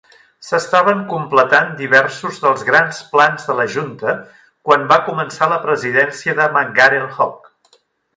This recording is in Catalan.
S'estaven completant diversos dels grans plans de la Junta quan va començar la presidència de McGarel-Hogg.